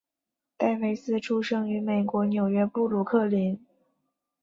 戴维斯出生于美国纽约布鲁克林。